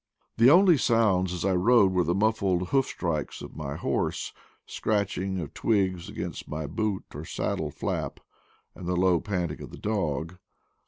The only sounds as I rode were the muffled hoof strokes of my horse, scratching of twigs against my boot or saddle flap, and the low panting of the dog.